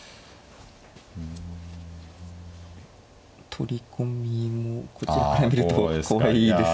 取り込みもこちらから見ると怖いです。